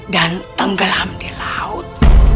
dan tenggelam di laut